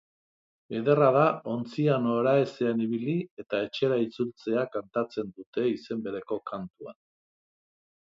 Ederra da ontzia noraezean ibili eta etxera itzultzea kantatzen dute izen bereko kantuan.